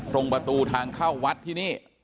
ตรงประตูทางเข้าวัดที่นี่